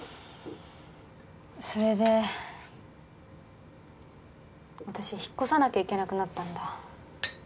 それで私引っ越さなきゃいけなくなったんだ